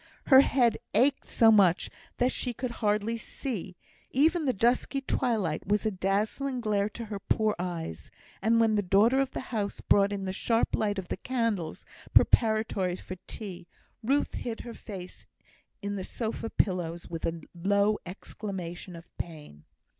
Her head ached so much that she could hardly see; even the dusky twilight was a dazzling glare to her poor eyes; and when the daughter of the house brought in the sharp light of the candles, preparatory for tea, Ruth hid her face in the sofa pillows with a low exclamation of pain.